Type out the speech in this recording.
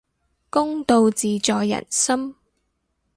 公道自在人心